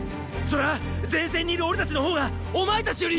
それは前線にいる俺たちの方がお前たちよりよ！